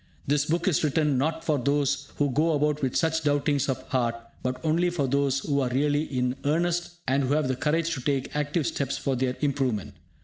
This book is written not for those who go about with such doubtings of heart, but only for those who are really in earnest, and who have the courage to take active steps for their improvement.